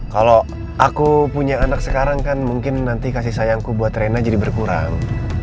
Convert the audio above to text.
kalau aku punya anak sekarang kan mungkin nanti kasih sayangku buat rena jadi berkurang